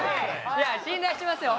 いや信頼してますよ。